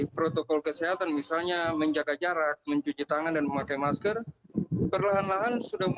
protokol kesehatan yang memang selama ini agak longgar diperlakukan di sorong